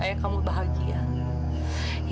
pak tempat ini